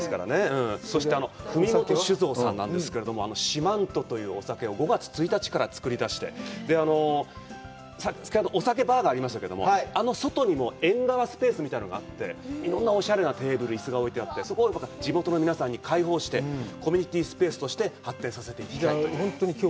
そして文本酒造さんなんですけど、あの「ＳＨＩＭＡＮＴＯ」というお酒、５月１日から造り出して、お酒バーがありましたけれども、あのほかにも縁側スペースみたいなのがあって、いろんなおしゃれなテーブル椅子が置いてあってそこはまた地元の皆さんに開放して、コミュニティースペースとして発展させていくと。